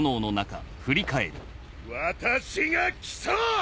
私が来た！